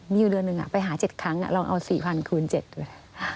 มีอยู่เดือนหนึ่งไปหา๗ครั้งลองเอา๔๐๐๐คูณ๗ด้วย